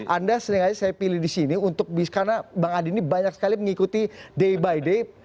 anda seringkali saya pilih disini karena bang adi ini banyak sekali mengikuti day by day